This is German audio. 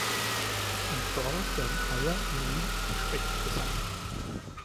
Im Dorf werden Eier, Mehl und Speck gesammelt.